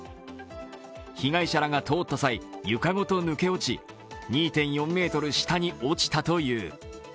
被害者らが通った際、床ごと抜け落ち２．４ｍ下に落ちたという。